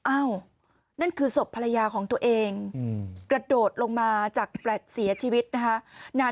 นั่นคือศพภรรยาของตัวเองกระโดดลงมาจากแฟลต์เสียชีวิตนะคะ